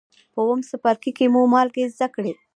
په اووم څپرکي کې مو مالګې زده کړې.